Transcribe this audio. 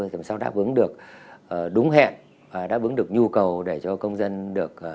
chúng tôi đã đáp ứng được đúng hẹn và đáp ứng được nhu cầu để cho công dân được